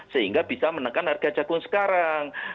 sehingga bisa menekan harga jagung sekarang